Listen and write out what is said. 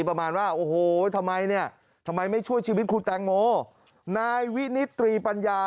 ประมาณว่าโอ้โหทำไมเนี่ยทำไมไม่ช่วยชีวิตคุณแตงโมนายวินิตรีปัญญา